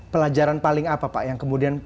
pelajaran paling apa pak yang kemudian